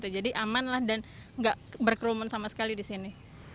jadi aman dan tidak berkerumun sama sekali di sini